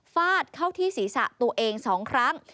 ฟาดเข้าที่ศีรษะตัวเอง๒ครั้ง